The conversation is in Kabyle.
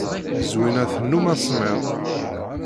Zwina tennum asemmiḍ.